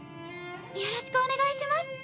よろしくお願いします。